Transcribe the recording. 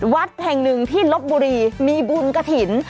วัดแห่งหนึ่งที่ลบบุรีมีบุญกระถิ่น